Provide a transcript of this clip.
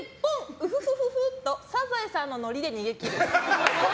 うふふとサザエさんのノリで逃げ切る。